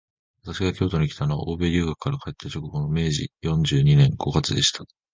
私が京都にきたのは、欧州留学から帰った直後の明治四十二年五月でした